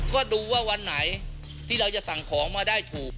ก็ดูว่าวันไหนที่เราจะสั่งของมาได้ถูก